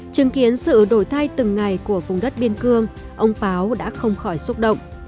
chứng kiến sự đổi thay từng ngày của vùng đất biên cương ông páo đã không khỏi xúc động